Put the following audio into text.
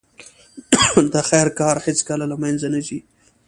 د خیر کار هیڅکله له منځه نه ځي.